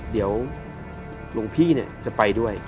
เดี๋ยวหลวงพี่จะไปด้วย